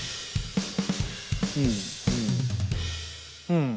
うん。